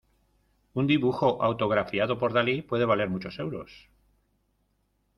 Un dibujo autografiado por Dalí puede valer muchos euros.